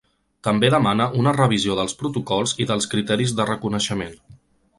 També demana una revisió dels protocols i dels criteris de reconeixement.